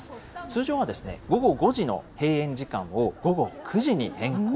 通常は午後５時の閉園時間を、午後９時に変更。